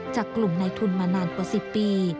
จากกลุ่มในทุนมานานกว่า๑๐ปี